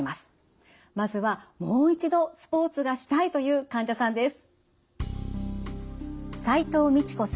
まずはもう一度スポーツがしたいという患者さんです。